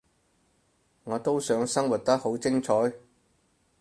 我都想生活得好精彩